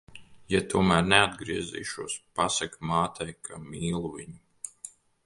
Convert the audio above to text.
Ja tomēr neatgriezīšos, pasaki mātei, ka mīlu viņu.